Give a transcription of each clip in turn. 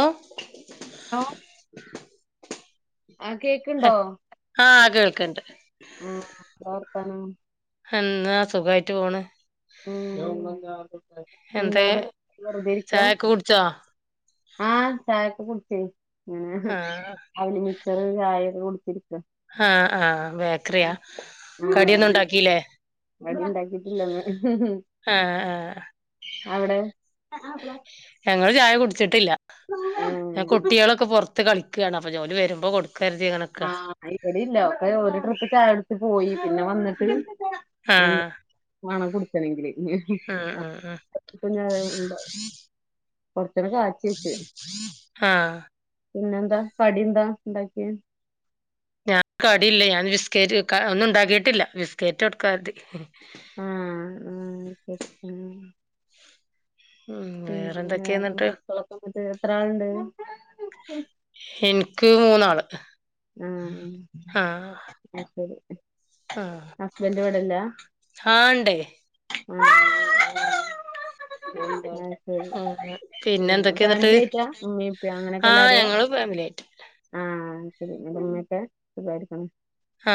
ആ ആ കേക്ക്ണ്ടോ ആഹ് കേൾക്കണ്ട് ഉം എന്താ വർത്താനം സുഖായിട്ട് പോണ് എന്തേ എന്താ വെറുതിെരിക്ക ചായൊക്കെ കുടിച്ചോ ആ ചായൊക്കെ കുടുിച്ചേങ്ങന ആഹ് അവല് മിസറ് ചായൊക്കെ ഇരിക്കുന്നു ആ ആ ബേക്കറിയാ കടിയൊന്നും ഉണ്ടാക്കില്ലേ അടി ഉണ്ടാക്കിട്ടില്ലന്ന് ആഹ് ആഹ് അവിടെ ഞങ്ങള്ൾ ചായ കുടിച്ച്ട്ടില്ല ഉം കുട്ടികളൊക്കെ പുറത്ത് കളിക്കുകയാണ് അപ്പൊ ഓല് വരുമ്പോ കൊടുക്കരുതി അങ്ങനെ നിക്കാ ആ ഇവിടെ ഇല്ല ഒക്കെ ഒരു ട്രിപ്പ് ചാടിച്ച പോയി പിന്നെ വന്നിട്ട് ആഹ് കുടുക്കണെങ്കില് ഉം ഉം ഉം കുഞ്ഞാവ ഉണ്ട് ആ പിന്നെ എന്താ കടിന്താ എന്താക്കിയ ഞാൻ കടിയില്ലേ ഞാൻ ബിസ്കറ്റ് ഒന്നും ഉണ്ടാക്കിട്ടില്ല ബിസ്കറ്റ് കൊടുക്കാത് ആ ആ ശരി ഉം പിന്നെ വേറെന്തൊക്കെയാ വേറെ എന്നിട്ട് നക്കളൊക്കന്നിട്ട് എത്ര ആളുണ്ട് എനിക്ക് മൂന്നാള് ആ ആഹ് അ ശരി ആഹ് അക്ബന്ന്റെ ഇവിടല്ല ആഹ് ഇണ്ടേ [unintelligible] ആഹ് പിന്നെ എന്തൊക്കെയാ എന്നിട്ട് ഫാമിലി ആയിട്ടാ ഉമ്മീ ഇപ്പ്യ അങ്ങനെയൊക്കെ ആഹ് എല്ലാരും ഞങ്ങള് ഫാമിലി ആയിട്ട് ആ ശരി നിങ്ങൾക് സുഖിമായിരിക്കണോ ആ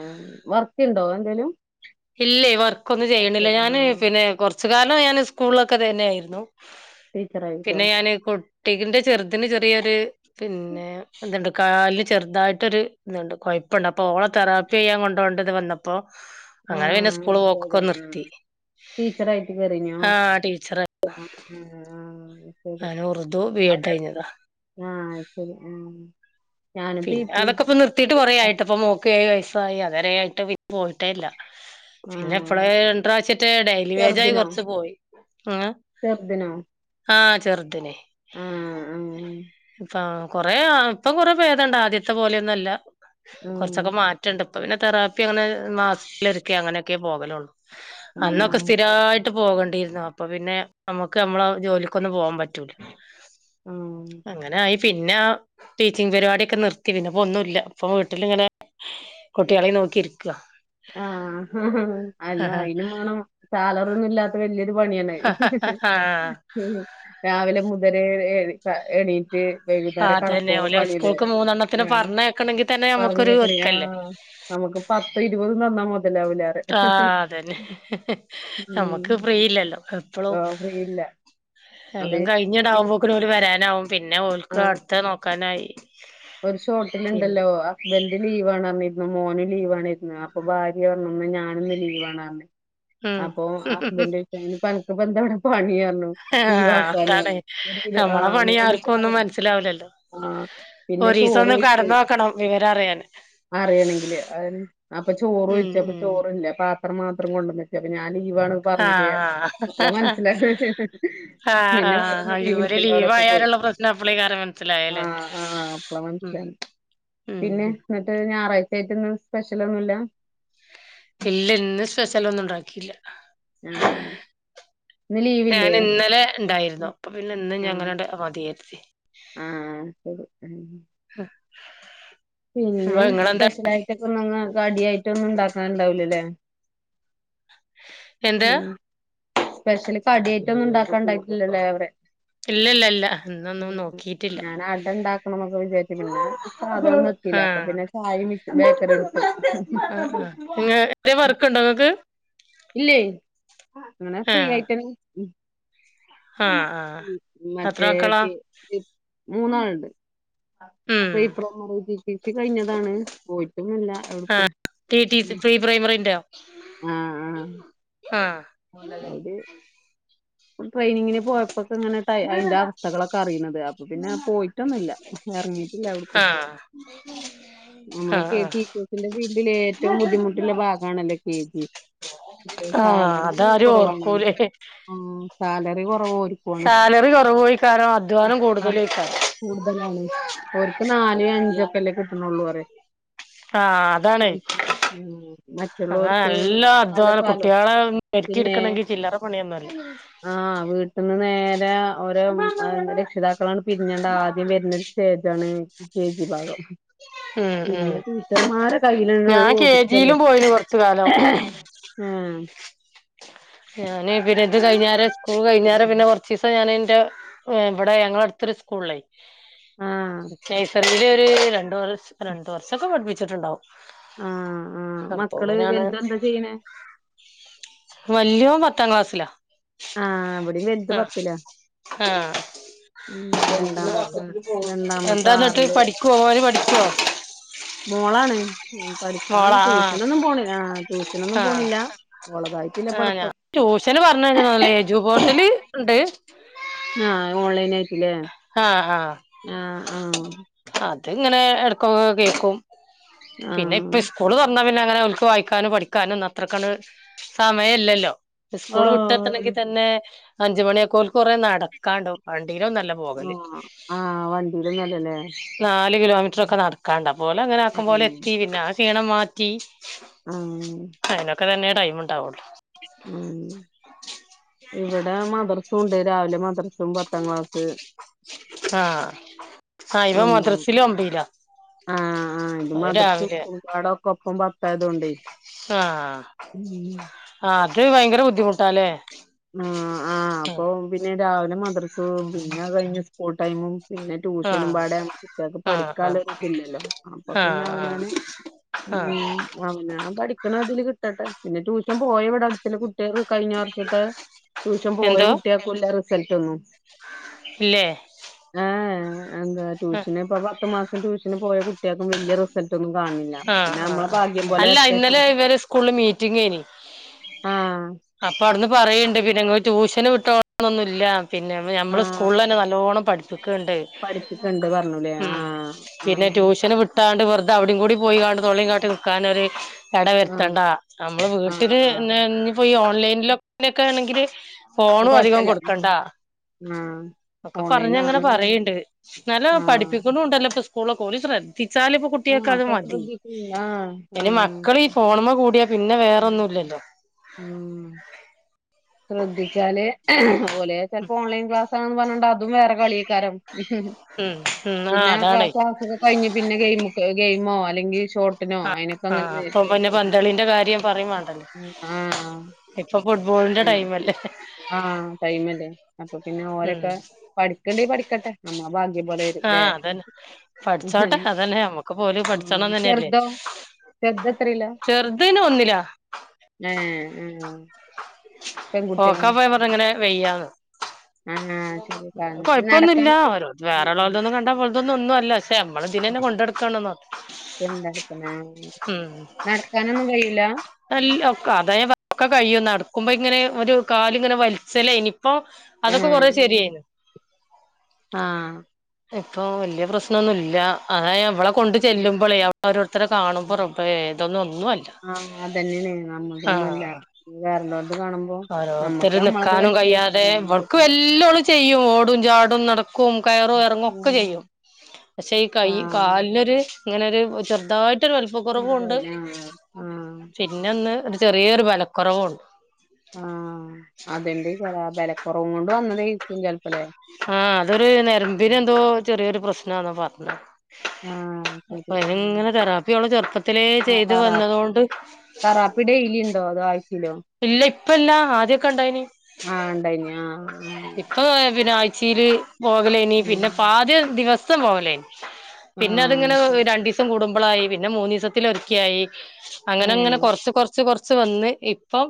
ആ വറത്തിയ ഉണ്ടോ എന്തേലും ില്ല ഞാന് പിന്നെ കൊറച്ച കാലം ഞാൻ സ്കൂളിലൊക്കെ തന്നെയ ആയിരുന്നു ടീച്ചറായിട്ടോ പിന്നെ ഞാന് കൊട്ടികിന്റെ ചെറുതിന് ചെറിയൊരു പിന്നെ എന്തണ്ട് കാല ചെറുതായിട്ടൊരു ഇതുണ്ട് കൊഴപ്പുണ്ട് അപ്പൊ ഓളോ തെറാപ്പി ചെയ്യാൻ കൊണ്ട പോോേണ്ടത് വന്നപ്പോ അങ്ങനെ പിന്നെ സ്കൂള് പോക്കൊക്കെ നിർത്തി ടീച്ചർയിട്ട് കറിഞ്ഞോ ആഹ് ടീച്ചറ് ശരി ഞാൻ ഉറുദു ബി എഡ് കഴിഞ്ഞതാ ആ ശരി ആ പിന്നെ അതൊക്കെപ്പൊ നിർത്തിയിട്ട് കുറേ ആയിട്ട്പ്പ നോക്കുക വയസായി അത ആായിട്ട് പോയിട്ടേല്ല പിന്നെ ഇപ്പള ആഹ് ര പ്രാാവശ്യട്ട് ഡെലി വേജായി കുറച്ച് പോയി സദ ആഹ ചെറുതിനെ ആഹ് ആഹ് ഇപ്പ കൊറ ഇപ്പൊ കൊറ ഭേദണ്ട് ആദ്യത്തെ പോലെയൊന്നുവല്ല ഉം കുറച്ചൊക്കെ മാറ്റണ്ട് ഇപ്പ പിന്നെ തെറാപ്പി അങ്ങനെ മാസത്തിലൊരിക്കെ അങ്ങനെയൊക്കെ പോകലുള്ളൂ ആഹ് അന്നൊക്കെ സ്ഥിരായിട്ട് പോകേണ്ടിരുന്നു അപ് അപ്പൊ പിന്നെ നമ്മക്ക് നമ്മളെ ജോലിക്കൊന്നും പോവാൻ പറ്റൂല അങ്ങനെ ആയി പിന്നാ തി ച്ചിങ് പരിപാടിയൊക്കെ നിർത്തി, പിന്നെ ഇപ്പൊ ഒന്നൂല്ല ഇപ്പൊ വീട്ടിലിങ്ങനെ കുട്ടികളേം നോക്കിയിരിക്കുവാ. ആഹ് അല്ല അയിന് വേണം സാലറി ഒന്നും ഇല്ലാത്ത വെല്യ [unintelligible] പണിയാണ് രാവിലെ മുതല് ഏ എണീറ്റ് [unintelligible] വൈകുന്നേരം അതന്നെ കെടക്കോളം ഓലെ പണിയല്ലേ സ്കൂൾക്ക് മൂന്നെണ്ണത്തിന് ആഹ് പറഞ്ഞയക്കണെങ്കി തന്നെ നമുക്കൊരു പറഞ്ഞക്കണ് ഒരുക്കല്ലേ ആഹ് നമ്മക്ക് പത്തോ ഇരുപതും തന്നാ മത് ആഹ് അതന്നെ നമ്മക്ക് ഉം ഫ്രീയില്ലല്ലോ എപ്പഴും ആഹ് ഫ്രീ ഇല്ല അത് എല്ലാം കഴിഞ്ഞുടാവുമ്പോക്കര് വരാനാവും പിന്നെ ഓൽക്ക് ആഹ് അടുത്ത നോക്കാനായി. ഒരു ഷോട്ടില് പിൻ ഇണ്ടല്ലോ അ [unintelligible] ലീവണറിഞ്ഞിരുന്നു മോനും ലീവാണ് ഇരുന്നു അപ്പൊ ഭാര്യ പറഞ്ഞു ഞാനിന്ന് ലീവാണ്ന്ന് പറഞ്ഞ് ഉം അപ്പൊ ഹസ്ബൻഡ് ചോയിച്ച് അയിന് അനക്കെന്താ ഇപ്പവിടെ പണി പറഞ്ഞു ആഹ് ലീവാക്കാന് അതാണ് പറഞ്ഞു നമ്മളെ അന്നേര പണി പിന്നെ ആർക്കും ഒന്നും ആഹ് മനസ്സിലാവൂലല്ലോ [unintelligible] ആഹ് പിന്നെ ഒരീസം ചോറ് ഒന്ന് വെച്ച് കെടന്ന് നോക്കണം വിവരം അറിയാന് അറിയണെങ്കില് [unintelligible] അപ്പൊ ഉം ചോറൊഴിച്ച് അപ്പ ഉം ചോറില്ല പാത്രം മാത്രം കൊണ്ടന്ന്ക്കാ [unintelligible] ഞാൻ ലീവാണ് പറഞ്ഞില്ലേ പറഞ്ഞ് ആഹ് അപ്പളാ മനസ്സിലായത് ആഹ് പിന്നെ ആഹ് ആഹ് വേറൊന്നും ലീവ് ഇവര് എടുത്തില്ല അവരൊക്കെ പോയി ലീവായാലുള്ള പ്രശ്നം അപ്പളേക്കാരം മനസ്സിലായല്ലേ ആഹ് ആഹ അപ്പളാ ഉം മനസിലായത് ഉം പിന്നെ എന്നിട്ട് ഞായറാഴ്ച ആയിട്ട് ഇന്ന് സ്പെഷ്യൽ ഒന്നുമില്ല ഇല്ല ഇന്ന് സ്പെഷ്യൽ ഒന്നും ഉണ്ടാക്കിയില്ല ഉം ഞാൻ ഇന്നലെ ഉണ്ടായിരുന്നു അപ്പൊ പിന്നെ ഇന്നും ആഹ് ഞങ്ങളുടെ അവധിയാക്കി ആഹ് ശരി ഉം അപ്പൊ പിന്നെ ഇങ്ങളെന്താ സ്പെഷ്യലായി ട്ടൊക്കെ ഒന്നും കടിയായിട്ടൊന്നും ഉണ്ടാക്കാനുണ്ടാവില്ലല്ലേ എന്ത് സ്പെഷ്യല് കടിയായിട്ടൊന്നും ഉണ്ടാക്കാൻ ഉണ്ടായിട്ടില്ലല്ലേ പറയുവാ ഇല്ലല്ല ഇല്ല ഇല്ല ഇന്നൊന്നും ഉം നോക്കിട്ടില്ല ഞാൻ അട ഇണ്ടാക്കണം വിചാരിച്ചിരുന്നു ഇപ്പോ മധുരം വെക്കുവേലേ അപ്പോ ആഹ് പിന്നെ [unintelligible] ആഹ് ആഹ് ഇങ്ങനത്തെ വർക്കുണ്ടോ നിങ്ങക്ക് ഇല്ലേ എന്നാ ഫ്രീ ആഹ് ആയിട്ട് ഇറങ്ങ് ആഹ് ആഹ് എത്ര മറ്റേ മക്കളാ മൂന്നാളുണ്ട് ഉം [unintelligible] ടി ടി സി കഴിഞ്ഞതാണ് പോയിട്ടൊന്നുമില്ല എവിടേക്കും ആഹ് T T C pre primary ഉം ഉം ആഹ് മോഡലിംഗ് ട്രെയിനിങ്ങിന് പോയപ്പോക്കെ ഇങ്ങനെ അതിന്റെ അവസ്ഥകളൊക്കെ അറിയണത് അപ്പൊ പിന്നെ പോയിട്ടൊന്നുമില്ല എറങ്ങീട്ടില്ല എവിടേക്കും ആഹ് ആഹ് നമ്മളൊക്കെ ഈ ആഹ് ടീ ടി സിന്റെ ഫീൽഡില് ഏറ്റവും ബുദ്ധിമുട്ടുള്ള ഭാഗം ആണല്ലേ കെ ജി പക്ഷെ ആഹ് സാലറി അതാരും കൊറവാന്ന് ഓർക്കൂലേ തോന്നുന്നു ഉം സാലറി കൊറവ സാലറി കൊറവേയ്ക്കാരം അധ്വാനം ആ കൂടുതലേയ്ക്കാരം കൂടുതലാണ് ഓൽക്ക് നാലും അഞ്ചുക്കെല്ലേ കിട്ടണൊള്ളൂ പറ ആഹ് അതാണേ മറ്റേ അതാ മറ്റുള്ളോർക്ക് നല്ല നല്ല അധ്വാനം സാലറി കുട്ടികളെ ഒരുക്കി പിന്നെ എടുക്കണെങ്കി ചില്ലറ പണിയൊന്നുല്ല ആ വീട്ട്ന്ന് നേരെ ഒൽ രക്ഷിതാക്കങ്ങട് പിരിഞ്ഞാണ്ട് ആദ്യം വര്നൊരു സ്റ്റേജാണ് കെ ജി ഭാഗം ഉം പിന്നെ ഉം ടീച്ചർമാരെ കയ്യില് ഞാൻ ഇങ്ങട്ട് കെ ഒതുക്കല്ലേ ജിയിലും പോയിന് കൊറച്ചു കാലം ഏഹ് ഞാന് പിന്നെ ഇത് കയ്ഞ്ഞാര് സ്കൂള് കഴിഞ്ഞാര് പിന്നെ കൊറച്ചീസം ഞാനിന്റെ ഇവടെ ഞങ്ങളെട് ത്തൊരു സ്കൂളില് ആഹ് നഴ്സറീല് ഒരു രണ്ട് വർഷം രണ്ട് വർഷൊക്കെ പഠിപ്പിച്ചിട്ടുണ്ടാവും ആ ആ അപ്പൊ മക്കള് അങ്ങനാണ് വല്തെന്താ ചെയ്യണെ വല്യോൻ പത്താം ക്ലാസിലാ ഇവിടെയും വലുത് ആഹ് പത്തിലാ ആഹ് ഉം ആ രണ്ടാമത്തെ രണ്ടാമത്തെ എന്താന്നട്ട് ആറില് പഠിക്കോ ഓന് പഠിക്കോ മോളാണ് പഠിക്കാൻ ആഹ് ട്യൂഷനൊന്നും പോണില്ല ആ ട്യൂഷനൊന്നും പോണില്ല ഓളതായി ആ ഞാൻ ട്യൂഷന് പറഞ്ഞയക്കണൊന്നുല്ല എജുപോർട്ടില് ഇണ്ട് പയ്നായിട്ട്ല്ലേ ആഹ് ആഹ് ആഹ് അത്ങ്ങനെ എടുകൊക്കെ കേക്കും പിന്നെ ഇപ്പ ആഹ് സ്കൂള് തൊറന്ന പിന്നെ അങ്ങനെ ഓല്ക്ക് വായിക്കാനും പഠിക്കാനൊന്ന് അത്രക്കങ്ങട് സമയല്ലല്ലോ സ്കൂള് വിട്ടെത്തണങ്കി ആഹ് തന്നെ അഞ്ചുമണിയൊക്കെ ഓൽക് കൊറേ നടക്കാണ്ട് വണ്ടി ലോന്നല്ല പോവല് ആഹ് ആഹ് വണ്ടിയിലൊന്നല്ലല്ലേ നാല് കിലോമീറ്ററൊക്കെ നടക്കാണ്ട് അപ്പൊ ഓലങ്ങനെ ആക്കമ്പോലെ ആഹ് എത്തി പിന്നെ ആ ക്ഷീണം മാറ്റി ആഹ് അയ്നൊക്കെ തന്നെ ടൈം ഇണ്ടാവുള്ളു ഉം ഇവിടെ മദ്റസും ഉണ്ട് രാവിലെ മദ്റസ് സും പത്താം ക്ലാസ് ആഹ് ആഹ് ഇവൻ [unintelligible] മദ്രസില് ഒമ്പയിലാ ആഹ് ആഹ് ഇത് അത് മദ്റസും രാവിലെ സ്കൂളുമ്പാടെ ഒക്കെ ഒപ്പം പ തായ്തോണ്ടേയ് ഉം ഇത് ഭയങ്കര ബുദ്ധിമുട്ടാലേ ആ ആ അപ്പൊ പിന്നെ രാവിലെ മദ്രസും പിന്നെ അത്‌ കഴിഞ്ഞ് സ്കൂൾ ടൈമും പിന്നെ ട്യൂഷനും പാടെ ആവുമ്പോ കുട്ട്യേക്ക് ആഹ് ആഹ് പഠിക്കാല്ലരുതില്ലല്ലോ അപ്പൊ ആഹ് പിന്നെ ആഹ് ആഹ് അവനാന് ആഹ് ഉം അവനാൻ പഠിക്ക്ണാതില് കി ട്ടട്ടെ പിന്നെ ട്യൂഷൻ പോയ ഇവിടെ അട്ത്ത്ല്ല കുട്ട്യേക് കഴിഞ്ഞ വർഷത്തെ ട്യൂഷൻ പോയ എന്തോ കുട്ട്യേക്കൂല്ല. റിസൽറ്റൊന്നും. ഇല്ലേ ആഏ എന്താ ആഹ് ട്യൂഷന് ഇപ്പ പത്തു മാസം ട്യൂഷന് പോയ കുട്ട്യാക്കും വല്ല്യ റിസൾട്ട് ഒന്നും കാൺണില്ല അപ്പൊ ആഹ് പിന്നെ ആഹ് നമ്മള ആഹ് ഭാഗ്യം പോലെ അല്ല വെര്റ്റെ ഇന്നലെ ഇവര് സ്കൂളില് മീറ്റിംഗേനി ആഹ് അപ്പൊ അവ്‌ട്ന്ന് പറയ്ണ്ട് പിന്നെങ്ങള് ട്യൂഷന് വിട്ടോളണൊന്നുംല്ലാന്ന് പിന്നെ ഞമ്മളെ ആഹ് സ്കൂളിലെന്നെ നല്ലോണ്ണം പഠിപ്പിക്ക്ണ്ട് പഠിപ്പിക്കണ്ട് പറഞ്ഞുല്ലേ ഉം ആഹ് പിന്നെ ആഹ് ട്യൂഷന് വിട്ടാണ്ട് വെർ തെ അവിടിം കൂടി പോയിങ്ങാട് തൊള്ളേം കാട്ടി നിക്കാനൊരു എട ആഹ് വര്ത്തണ്ടാ നമ്മള് വീട്ടില് പിന്നെ ഇഞ്ഞിപ്പോ ഈ ഓൺലൈനിലൊക്ക ആണെങ്കില് ആഹ് ഫോണും അധികം കൊഴപ്പല്ല കൊടുക്കണ്ടാ ആഹ് ഒക്കെ ഓൺലൈൻ പറഞ്ഞങ്ങനെ ആണ് പറയ്ണ്ട് നല്ലോ ആഹ് പഠിപ്പിക്കുണുണ്ടല്ലോ ഇപ്പൊ സ് ളൊക്കെ ഓര് ശ്ര ദ്ധിച്ചാല് ഇപ്പൊ ആഹ് കുട്ട്യാക്കത് അപ്പൊ മതി ശ്രദ്ധിക്കണില്ല ഇനി ആഹ് മക്കൾ ഈ ആഹ് ഫോണ്മ്മ കൂടിയാ പിന്നെ വേറൊന്നുല്ല ഇല്ല ഉം ശ്രദ്ധിച്ചാല് ഓലെ ചെൽപ്പോ ഓൺലൈൻ ക്ലാസ് സ്സാന്ന് പർഞ്ഞാണ്ട് അതും വേറെ കളി അയ്ക്കാരം ഉം ഉം ആ പിന്നെ അതാണേ ക്ലാസാക്കൊക്കെ കഴിഞ്ഞ് പിന്നെ ഗെയിമ് ഗെയിമോ അല്ലെങ്കിൽ ഷോർ ആഹ് അപ്പം പിന്നെ പന്തളിന്റെ കാര്യം പറിം മാണ്ടല്ലേ ആഹ് ഇപ്പം ഫുട്ബോളിന്റെ ഉം ടൈമല്ലേ ആഹ് ടൈമല്ലേ അപ്പൊ പിന്നെ ഉം ഓരൊക്കെ പഠിക്കണ്ട്യേ പഠിക്കട്ടെ അമ്മളെ ഭാഗ്യം പോലെ വരുംല്ലേ അതെന്നെ പഠിച്ചോട്ടെ അതെന്നെ അമ്മക്ക് പ്പോല് പഠിച്ചണം തെന്നല്ലേ ചെർതെത്രേല്ല ഏഹ് ആഹ് പെൺകുട്ടിയോ ഓക്കാപ്പ ഞാം പർഞ്ഞങ്ങനെ വെയ്യാന്ന്. ആഹ് അയ് ശെരി കൊഴപ്പൊന്നുല്ല ഓരോ വേറെള്ളോൽ തൊന്നും കണ്ടാ അമ്മൾ തൊന്നും ഒന്നുല്ല പക്ഷെ അമ്മള് ഇതിനെന്നെ കൊണ്ടട്ക്കണന്നോ കൊണ്ടടക്കണം ആ ഉം നടക്കാനൊന്നും കഴിയൂല അല്ല ഒക്കെ അതാ [unintelligible] ഒക്കെ കയ്യു ന്നട് ക്കുമ്പ ങ്ങനെ ഒരു കാല ങ്ങനെ വൽച്ചെലേനി ഇപ്പൊ അതൊക്കെ കൊറേ ആഹ് ശെരിയായിണ്. ആഹ് ഇപ്പൊ വെല്ല്യ പ്രശ്നൊന്നുല്ല അതാ ഞാ ഇവളെ കൊണ്ട് ചെല്ലുമ്പളേ അവടെ ഓരോര്ത്തരെ കാണു മ്പ റബ്ബേ ഇതൊന്നും ഒന്ന്വൊല്ല ആഹ് അതന്നെയാണ് നമ്മൾതൊന്നുംല്ല ആഹ് വേറെല്ലോലത് കാണുമ്പോ നമ്മക്ക് ഓരോര്ത്തര് നമ്മളത് നിക്കാനും കയ്യാതെ വലുത് ഇവൾക്കെല്ലോള് ചെയ്യും ഓടും ചാടും നട കും കയറും എർങ്ങൊക്കെ ചെയ്യും പക്ഷെ ഈ കൈ ആഹ് കാലിനൊരു ഇങ്ങനൊര് ചെർതായിട്ടൊരു വല്പ്പ കൊറവുണ്ട് ആഹ് ആഹ് പിന്നൊന്ന് ചെറിയൊരു ബലക്കൊറവുണ്ട്. ആഹ് അതെന്റെ ക്കാരം ബലക്കൊറവും കൊണ്ട് വന്നതെയ് ആഹ് അതൊരു നെരമ്പിനെന്തോ ചെറിയൊരു പ്രശ്ന ന്നാ പർഞ്ഞെ. ആഹ് ശരി അപ്പയ്നിങ്ങനെ തെറാപ്പിയൊളെ ചെർപ്പത്തിലേ ചെയ്ത് വന്നതൊണ്ട് അപ്പ ഡെയ്ലിണ്ടോ അതോ ആ ഇല്ല ഇപ്പല്ല ആദ്യൊക്കെ ണ്ടായിനി ആഹ് ഉണ്ടായിനി ആഹ് ആഹ് ഇപ്പൊ പിന്നെ ആഴ് ച്ചില് പോവലേനി പിന്നെ ഉം പാദ്യം ദിവസം പോവലേനി പിന്നെ ആഹ് അത്ങ്ങനെ ശരി രണ്ടിസം കൂടുമ്പളായി പിന്നെ മൂന്നീസത്തിലൊരിക്ക്യായി അങ്ങനങ്ങനെ ഏഹ് കൊർച്ച് കൊർച്ച് കൊർച്ച് വന്ന് ഇ ഇപ്പം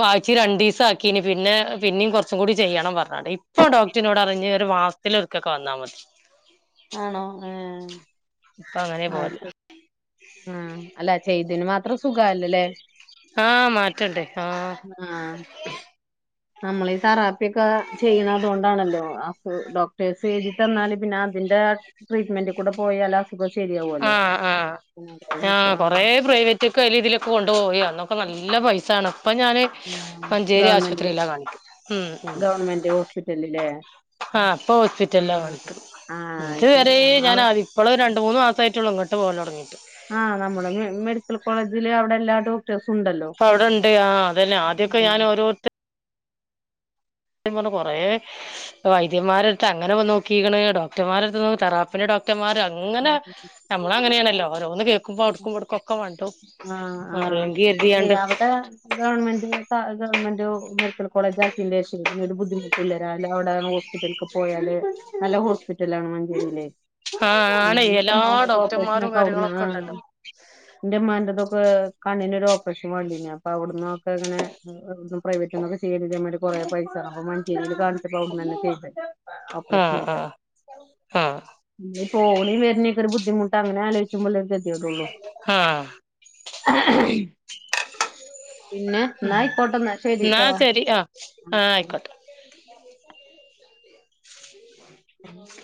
വാഴ്ച്ചെ രണ്ടീസാക്കീനി പിന്നെ പിന്നിം കൊറച്ചും കൂടി ചെയ്യണം പറ്ഞ്ഞ് പറി ഇപ്പൊ ഡോക്ടിനോട് അറിഞ്ഞ് ഒരു വാസ്ത്തിലൊൽക്കൊക്കെ വന്നാ മതി ആണോ ഏഹ് ഇപ്പൊ അങ്ങനെ ആഹ് പോവല് ശെരി ആഹ് അല്ല ചെയ്തേന് മാത്രം സുഖായല്ലൊ ലെ ആഹ് മാറ്റണ്ട് ആഹ് ആഹ് നമ്മളീ തെറാപ്പിയൊക്കെ ചെയ്യ്ണ അതോണ്ടാണല്ലോ ഡോക്ടേഴ്സ് എഴുതി തന്നാല് പിന്നെ അത് ന്റെ ട്രീറ്റ്മെന്റ് കൂടെ പോയാൽ അസുഖം ശരിയാവുമല്ലോ ആഹ് ആഹ് ആഹ് കൊറേ പ്രൈവറ്റ്ക്കയ്ലെ ഇതെ ലൊക്കെ കൊണ്ടു പോയി അന്നൊക്കെ നല്ല പൈസാണ് ഇപ്പഞാന് മഞ്ചേരി ഗവൺമെന്റില് ആശുപത്രിയിലാ കാണിക്കും ഉം ഉം ഗവൺമെന്റ് ഹോസ്പിറ്റലില്ലേ ആഹ് ഇപ്പൊ ഹോസ്പിറ്റെല്ലാം കാണിക്കുന്നെ ആഹ് ഇത് ശരി വെരേ ആഹ് അവ ഞാനാൻ ഇപ്പളു രണ്ട് മൂന്ന് മാസായിട്ടൊള്ളു ഇങ്ങട്ട് പോര്ല് തൊടങ്ങിട്ട് ആഹ് നമ്മുടെ മെഡിക്കൽ കോളേജില് അവിടെ എല്ലാതും അപ്പൊ അവിടെണ്ട് ആഹ് അതന്നെ ആദ്യൊക്കെ ഞാൻ ഓരോര്ത്ത ത്യം പറ്ഞ്ഞ കൊറേ വൈദ്യന്മാരെട്ത്ത് അങ്ങനെ വ നോക്കീക്ക്ണ്. ഡോക്ടർമാരെട്ത്ത് തെറാപ്പി ന്റെഡോ ക്ടംമാരാണ് അങ്ങനെ ഉം നമ്മളങ്ങെനേണെല്ലോ ഓരോന്ന് കേൾക്കുമ്പോ ഔട്ക്കുമ്പൊ ഔട്ക്കും ഇവെട്ക്കൊക്കെ മണ്ടും ആഹ് ആഹ് ല്ലെ കരുതിയാണ്ട് അവടെ ഗവൺമെന്റിൽത്ത ആ ഗവൺമെന്റൊ [unintelligible] മെഡിക്കൽ കോളേജ് ആക്കിയന്റെ ഷം പിന്നെ ഒരു ബുദ്ധിമുട്ടൂല്ല രാവിലെ അവടെ ഹോസ്പിറ്റൽക്ക് പോയാല് നല്ല ഹോസ്പിറ്റലാണ് മഞ്ചേരിലെ ആഹ് ഉം ആണേ എല്ലാ ഇന്റമ്മാന്റെ ഓപ്പറേഷന് ഡോക്ടർമാരും ഒക്കെ ഔട്ന്നാ കാര്യങ്ങളൊക്കെ ഉണ്ടല്ലോ ഇന്റെമ്മാന്റതും ഇപ്പെ കണ്ണിന് ഒരു ഓപ്പറേഷൻ വാണ്ടിനി അപ്പ അവിട് ന്നൊക്കെ ഇങ്ങനെ [unintelligible] പ്രൈവറ്റ്ന്നൊക്കെ ചെയ്യണെങ്ക് ഞമ്മളെ കൊറേ പൈസാണം അഹ്‌മാണേ ചെവീല് കാൺചപ്പം ഔട്ന്നെന്നെ ചെയ്ത് ഓപ്പറേഷൻ ഒക്കെ ഹാ വെർണിയക്കൊരു ബുദ്ധിമുട്ട് അങ്ങനെ ആലോയിച്ചുമ്പൊള്ളൊര് ഗെതികേടൊള്ളൂ. ആഹ് ഇം ആയിക്കോട്ടെ എന്നാ ശരിട്ടോ ശരി അഹ് ആഹ് ആയിക്കോട്ടെ.